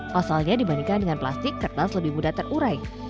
pasalnya dibandingkan dengan plastik kertas lebih mudah terurai